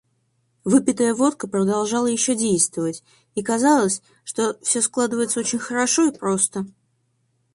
Выпитая водка продолжала еще действовать, и казалось, что все складывается очень хорошо и просто.